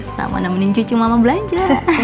sama nemenin cucu mama belanja